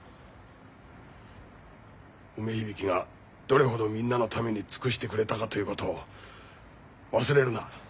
梅響がどれほどみんなのために尽くしてくれたかということを忘れるな。